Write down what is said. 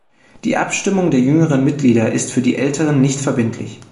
Die Abstimmung der jüngeren Mitglieder ist für die älteren nicht verbindlich.